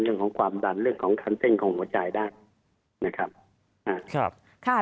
เรื่องของความดันเรื่องของคันเต้นของหัวใจได้นะครับอ่าครับค่ะ